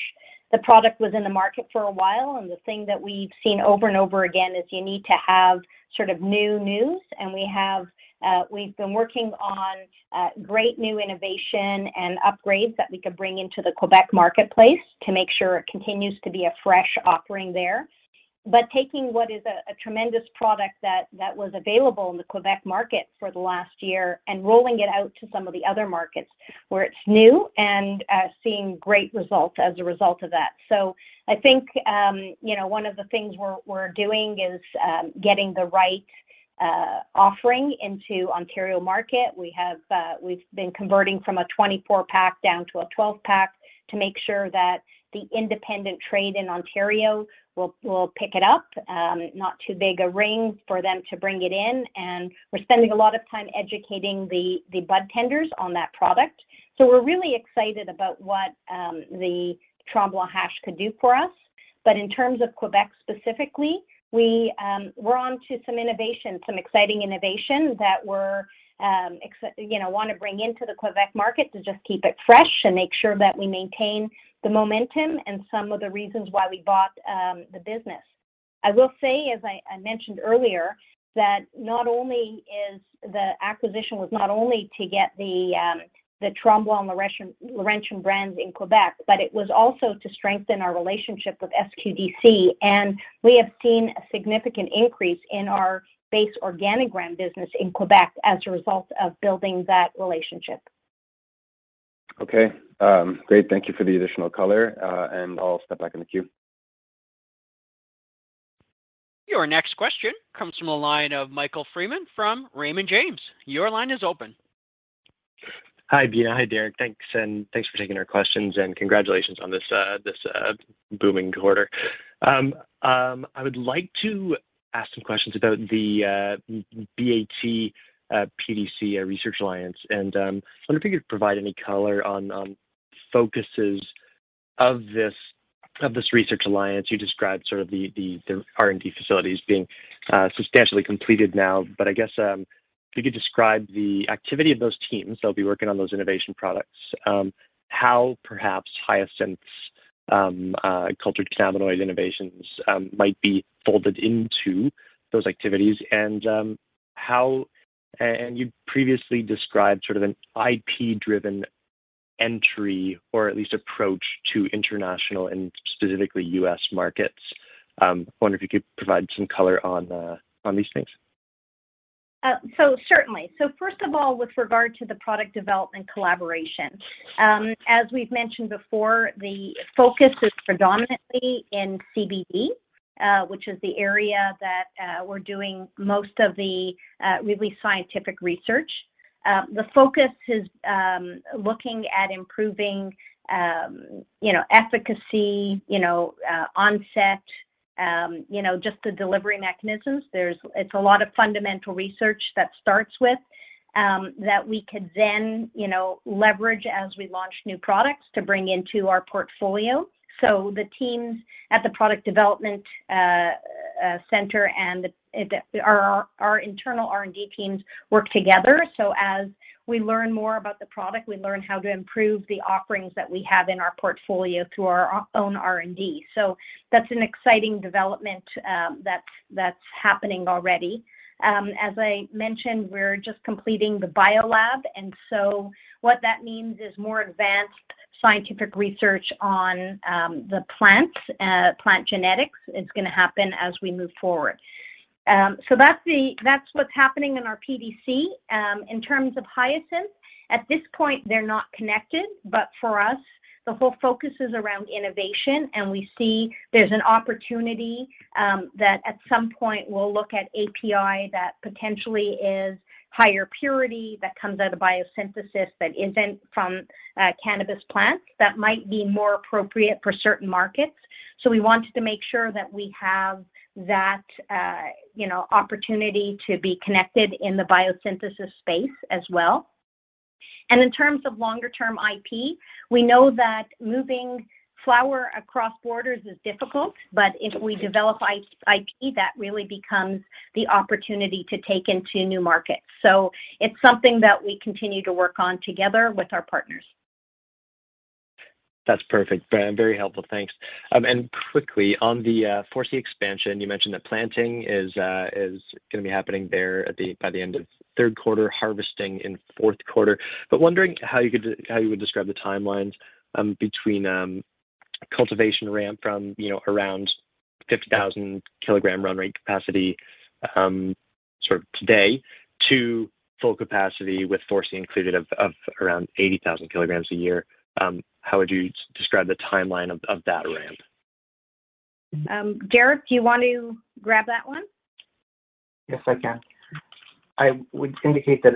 The product was in the market for a while, and the thing that we've seen over and over again is you need to have sort of new news. We have we've been working on great new innovation and upgrades that we could bring into the Quebec marketplace to make sure it continues to be a fresh offering there. Taking what is a tremendous product that was available in the Quebec market for the last year and rolling it out to some of the other markets where it's new and seeing great results as a result of that. I think, you know, one of the things we're doing is getting the right offering into Ontario market. We've been converting from a 24-pack down to a 12-pack to make sure that the independent trade in Ontario will pick it up. Not too big a ring for them to bring it in, and we're spending a lot of time educating the budtenders on that product. We're really excited about what the Tremblant Hash could do for us. In terms of Quebec specifically, we're onto some innovation, some exciting innovation that we're you know wanna bring into the Quebec market to just keep it fresh and make sure that we maintain the momentum and some of the reasons why we bought the business. I will say, as I mentioned earlier, that not only was the acquisition not only to get the Tremblant Laurentian brands in Quebec, but it was also to strengthen our relationship with SQDC, and we have seen a significant increase in our base organic brand business in Quebec as a result of building that relationship. Okay. Great. Thank you for the additional color, and I'll step back in the queue. Your next question comes from the line of Michael Freeman from Raymond James. Your line is open. Hi, Beena. Hi, Derek. Thanks, and thanks for taking our questions, and congratulations on this booming quarter. I would like to ask some questions about the BAT PDC research alliance. Wonder if you could provide any color on focuses of this research alliance. You described sort of the R&D facilities being substantially completed now. I guess if you could describe the activity of those teams that'll be working on those innovation products, how perhaps Hyasynth cultured cannabinoid innovations might be folded into those activities. How you previously described sort of an IP-driven entry or at least approach to international and specifically U.S. markets. Wonder if you could provide some color on these things. Certainly. First of all, with regard to the product development collaboration, as we've mentioned before, the focus is predominantly in CBD, which is the area that we're doing most of the really scientific research. The focus is looking at improving, you know, efficacy, you know, onset, you know, just the delivery mechanisms. It's a lot of fundamental research that starts with that we could then, you know, leverage as we launch new products to bring into our portfolio. The teams at the product development center and our internal R&D teams work together. As we learn more about the product, we learn how to improve the offerings that we have in our portfolio through our own R&D. That's an exciting development that's happening already. As I mentioned, we're just completing the bio lab, and so what that means is more advanced scientific research on the plants, plant genetics is gonna happen as we move forward. That's what's happening in our PDC. In terms of Hyasynth, at this point, they're not connected, but for us, the whole focus is around innovation, and we see there's an opportunity that at some point we'll look at API that potentially is higher purity, that comes out of biosynthesis that isn't from cannabis plants that might be more appropriate for certain markets. We wanted to make sure that we have that, you know, opportunity to be connected in the biosynthesis space as well. In terms of longer-term IP, we know that moving flower across borders is difficult, but if we develop IP, that really becomes the opportunity to take into new markets. It's something that we continue to work on together with our partners. That's perfect. Very, very helpful. Thanks. And quickly on the 4C expansion, you mentioned that planting is gonna be happening there by the end of third quarter, harvesting in fourth quarter. Wondering how you would describe the timelines between cultivation ramp from, you know, around 50,000 kg run rate capacity sort of today to full capacity with 4C included of around 80,000 kg a year. How would you describe the timeline of that ramp? Derek, do you want to grab that one? Yes, I can. I would indicate that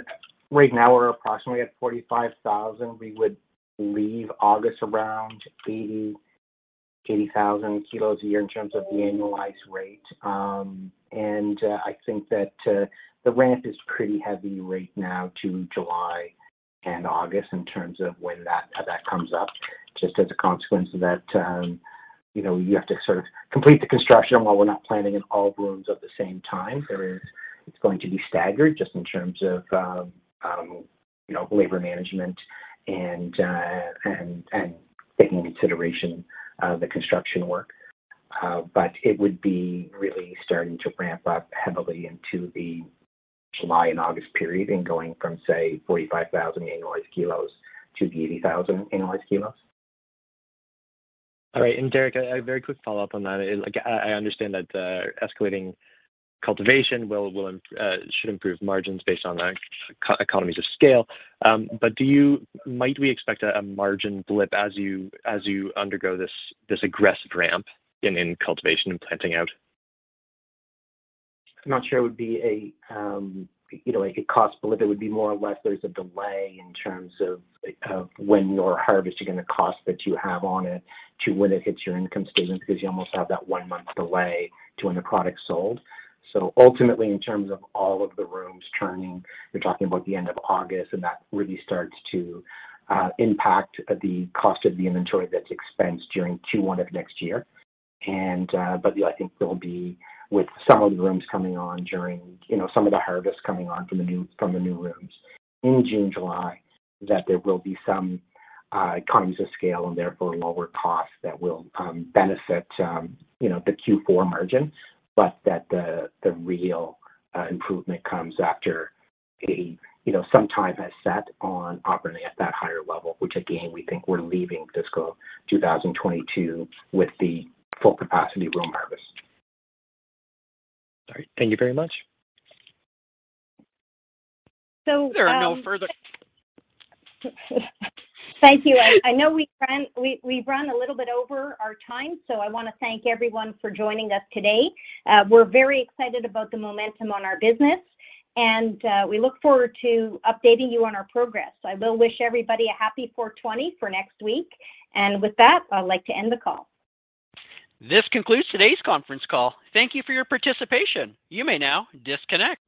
right now we're approximately at 45,000. We would leave August around 80,000 kilos a year in terms of the annualized rate. I think that the ramp is pretty heavy right now to July and August in terms of when that comes up, just as a consequence of that, you know, you have to sort of complete the construction. While we're not planting in all rooms at the same time, there is. It's going to be staggered just in terms of you know, labor management and taking into consideration the construction work. But it would be really starting to ramp up heavily into the July and August period and going from, say, 45,000 annualized kilos to the 80,000 annualized kilos. All right. Derrick, a very quick follow-up on that. Like, I understand that escalating cultivation should improve margins based on, like, economies of scale. Might we expect a margin blip as you undergo this aggressive ramp in cultivation and planting out? I'm not sure it would be a, you know, like a cost blip. It would be more or less there's a delay in terms of when your harvest costs that you have on it to when it hits your income statement because you almost have that 1-month delay to when the product's sold. Ultimately, in terms of all of the rooms turning, you're talking about the end of August, and that really starts to impact the cost of the inventory that's expensed during Q1 of next year. I think there'll be, with some of the rooms coming on during, you know, some of the harvest coming on from the new rooms in June, July, that there will be some economies of scale and therefore lower costs that will benefit, you know, the Q4 margin, but that the real improvement comes after a, you know, some time has set on operating at that higher level, which again, we think we're leaving fiscal 2022 with the full capacity room harvest. All right. Thank you very much. So, um- There are no further. Thank you. I know we've run a little bit over our time, so I wanna thank everyone for joining us today. We're very excited about the momentum on our business, and we look forward to updating you on our progress. I will wish everybody a happy 4/20 for next week. With that, I'd like to end the call. This concludes today's conference call. Thank you for your participation. You may now disconnect.